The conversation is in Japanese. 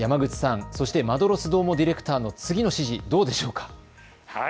山口さんそしてマドロスどーもディレクターの次の指示、どうでしょうか。